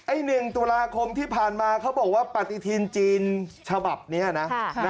๑ตุลาคมที่ผ่านมาเขาบอกว่าปฏิทินจีนฉบับนี้นะ